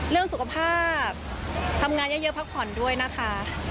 เรื่องสุขภาพทำงานเยอะพักผ่อนด้วยนะคะ